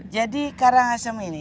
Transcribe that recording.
jadi karangasem ini